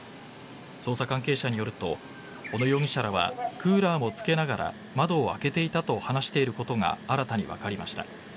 捜査関係者によると小野容疑者らはクーラーもつけながら窓を開けていたと話していることが新たに分かりました。